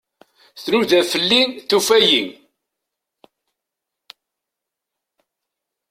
Tnuda fell-i, tufa-iyi.